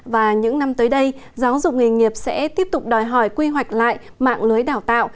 và những năm tới đây giáo dục nghề nghiệp sẽ tiếp tục đòi hỏi quy hoạch lại mạng lưới đào tạo